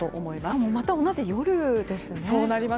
しかもまた同じ夜ですね。